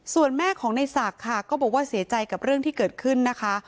ส่วนแม่ของในศักดิ์ค่ะก็บอกว่าเสียใจกับเรื่องที่เกิดขึ้นนะคะ